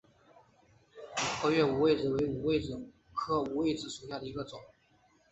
合蕊五味子为五味子科五味子属下的一个种。